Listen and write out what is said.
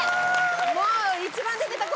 もう一番出てた声。